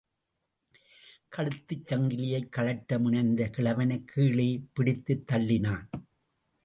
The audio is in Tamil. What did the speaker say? கழுத்துச்சங்கிலியைக் கழற்ற முனைந்த கிழவனைக் கீழே பிடித்துத் தள்ளினான்.